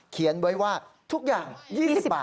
เขียนไว้ว่าทุกอย่าง๒๐บาท